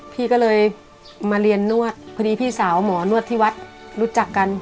พี่ก็เลยมาเรียนนวดพอดีพี่สาวหมอนวดที่วัดรู้จักกัน